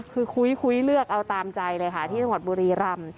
คือคุยเลือกเอาตามใจเลยค่ะที่จังหวัดบุรีรำ